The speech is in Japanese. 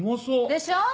でしょ。